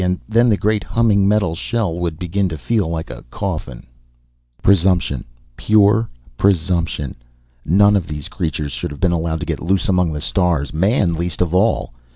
And then the great humming metal shell would begin to feel like a coffin.... Presumption. Pure presumption. None of these creatures should have been allowed to get loose among the stars, Man least of all.